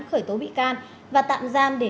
khởi tố bị can và tạm giam để